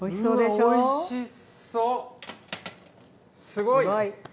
すごい！